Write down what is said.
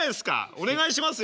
お願いしますよ。